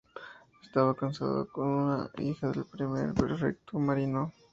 Estaba casado con una hija del primer prefecto Marino.